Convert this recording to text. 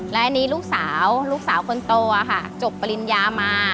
และอันนี้ลูกสาวลูกสาวคนโตค่ะจบปริญญามา